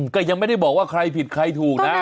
ก็ยังไม่ได้บอกว่าใครผิดใครถูกนะ